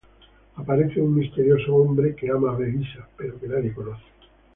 Aparece un misterioso hombre que ama a Belisa, pero que nadie conoce.